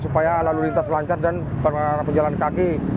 supaya lalu lintas lancar dan penjalan kaki